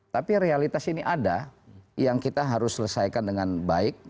tapi realitas ini ada yang kita harus selesaikan dengan baik